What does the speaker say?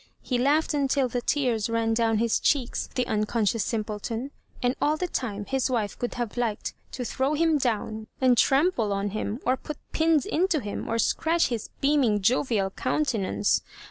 He laughed until the tears ran dovm his cheeks, the unconscious simpleton ; and all the time his wife oould have liked to throw him down and trample on him, or put pins into him, or scratch his beaming jovial countenance.